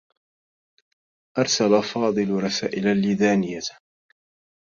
أرسل فاضل رسائلا لدانية.